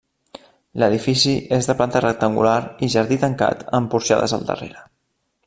L'edifici és de planta rectangular i jardí tancat amb porxades al darrere.